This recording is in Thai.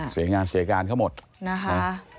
เสียงานเสียการเขาหมดนะคะ